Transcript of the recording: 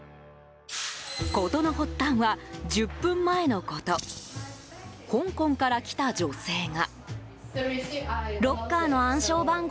事の発端は１０分前のこと香港から来た女性が。